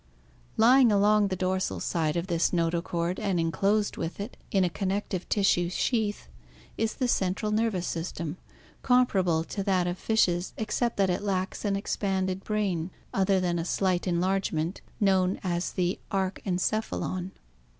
Lying along the dorsal side of this notochord and enclosed with it in a connective tissue sheath is the central nervous system, comparable to that of fishes except that it lacks an expanded brain other than a slight enlargement known as the archencephalon.